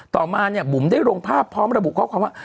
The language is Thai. ต่อมาเนี่ยบุ๋มได้ลงภาพพร้อมระบุข้อความว่า